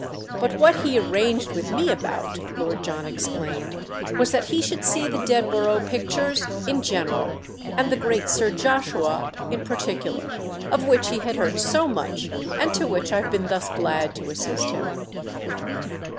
But what he arranged with me about," Lord John explained, "was that he should see the Dedborough pictures in general and the great Sir Joshua in particular—of which he had heard so much and to which I've been thus glad to assist him."